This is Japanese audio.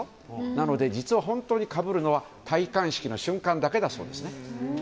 なので実は本当にかぶるのは戴冠式の瞬間だけだそうですね。